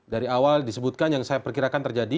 dari awal disebutkan yang saya perkirakan terjadi